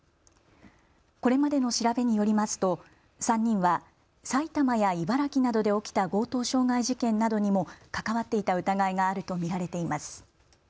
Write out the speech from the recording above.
これまでの調べによりますと３人は埼玉や茨城などで起きた強盗傷害事件などにも関わっていた疑いがあると見られています。